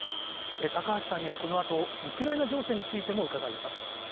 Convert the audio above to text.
高橋さんにはこのあと、ウクライナ情勢についても伺います。